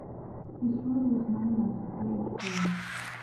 This road was known as "the Great Road".